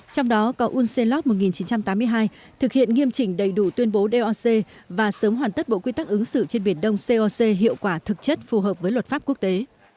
trong đó có unselot một nghìn chín trăm tám mươi hai thực hiện nghiêm chỉnh đầy đủ tuyên bố doc và sớm hoàn tất bộ quy tắc ứng xử trên biển đông coc hiệu quả thực chất phù hợp với luật pháp quốc tế